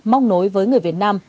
mong nối với người việt nam